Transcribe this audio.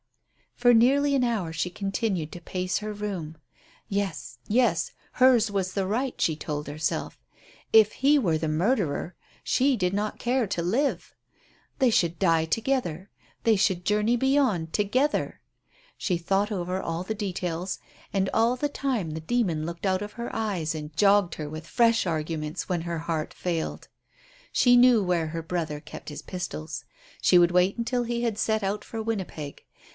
For nearly an hour she continued to pace her room. Yes, yes! Hers was the right, she told herself. If he were the murderer she did not care to live. They should die together; they should journey beyond together. She thought over all the details, and all the time the demon looked out of her eyes and jogged her with fresh arguments when her heart failed. She knew where her brother kept his pistols. She would wait until he had set out for Winnipeg.